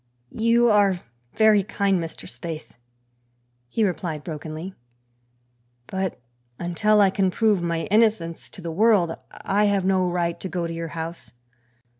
"You are very kind, Mr. Spaythe," he replied brokenly, "but until I can prove my innocence to the world I have no right to go to your house.